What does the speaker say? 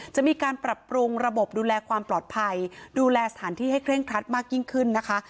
จะมีการปรับปรุงระบบดูแลความปลอดภัยดูแลสถานที่ให้เคร่งครัดมากยิ่งขึ้นนะคะ